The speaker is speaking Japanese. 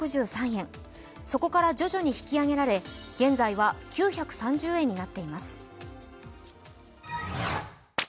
そこから徐々に引き上げられ、現在は９３０円になっています。